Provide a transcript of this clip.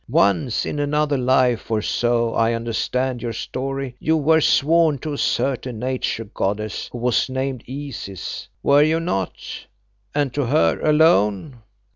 Once in another life, or so I understand your story, you were sworn to a certain nature goddess, who was named Isis, were you not, and to her alone?